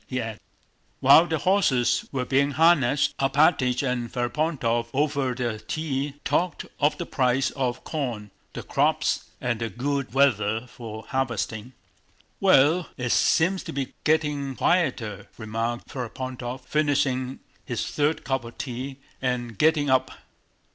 he added. While the horses were being harnessed Alpátych and Ferapóntov over their tea talked of the price of corn, the crops, and the good weather for harvesting. "Well, it seems to be getting quieter," remarked Ferapóntov, finishing his third cup of tea and getting up.